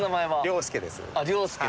良輔です。